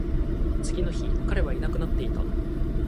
次の日、彼はいなくなっていた